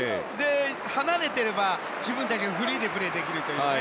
離れていれば、自分たちがフリーでプレーできるというね。